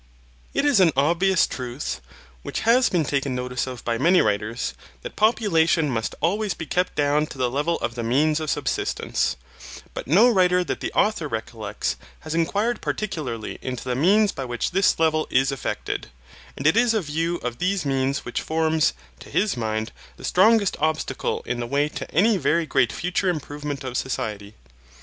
It is an obvious truth, which has been taken notice of by many writers, that population must always be kept down to the level of the means of subsistence; but no writer that the Author recollects has inquired particularly into the means by which this level is effected: and it is a view of these means which forms, to his mind, the strongest obstacle in the way to any very great future improvement of society.